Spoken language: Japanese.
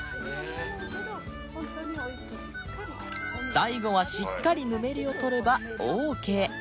最後はしっかりぬめりを取ればオーケー